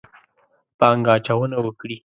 پانګه اچونه وکړي.